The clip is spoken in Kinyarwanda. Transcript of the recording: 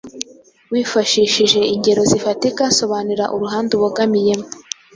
Wifashishije ingero zifatika, sobanura uruhande ubogamiyemo.